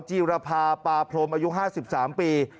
จีรภาปาพรมอายุ๕๓ปี